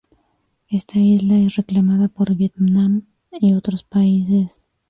Esta isla es reclamada por Vietnam y otros países.